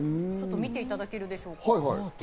ちょっと見ていただけるでしょうか。